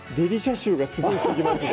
臭がすごいしてきますね